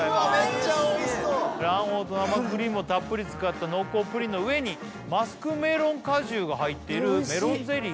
めっちゃおいしそう卵黄と生クリームをたっぷり使った濃厚プリンの上にマスクメロン果汁が入っているメロンゼリー